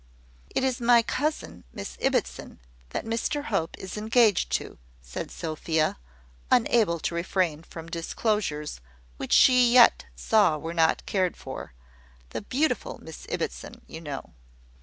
"It is my cousin, Miss Ibbotson, that Mr Hope is engaged to," said Sophia, unable to refrain from disclosures which she yet saw were not cared for: "the beautiful Miss Ibbotson, you know."